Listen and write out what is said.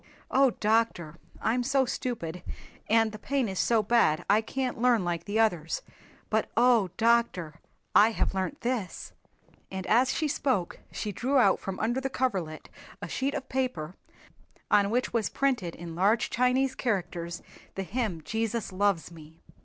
"Oh, doctor, I'm so stupid, and the pain is so bad I can't learn like the others. But oh, doctor, I have learnt this," and as she spoke she drew out from under the coverlet a sheet of paper on which was printed in large Chinese characters the hymn "Jesus Loves Me."